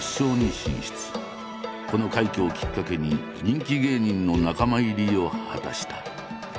この快挙をきっかけに人気芸人の仲間入りを果たした。